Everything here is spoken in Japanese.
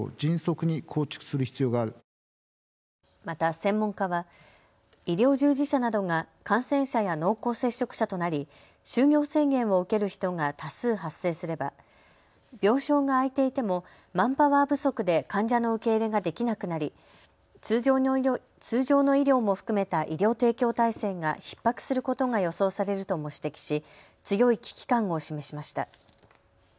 また専門家は医療従事者などが感染者や濃厚接触者となり就業制限を受ける人が多数、発生すれば病床が空いていてもマンパワー不足で患者の受け入れができなくなり通常の医療も含めた医療提供体制がひっ迫することが予想されるとも指摘し強い危機感を示しました。